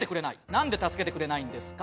なんで助けてくれないんですか？